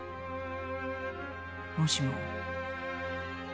もしも。